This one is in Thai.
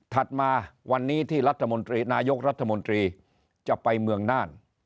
มาวันนี้ที่รัฐมนตรีนายกรัฐมนตรีจะไปเมืองน่าน